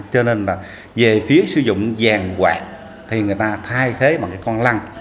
cho nên là về phía sử dụng vàng quạt thì người ta thay thế bằng cái con lăn